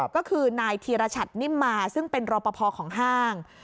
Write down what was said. ก็คือนายธีรชัดนิ่มมาซึ่งเป็นรอปภของห้าง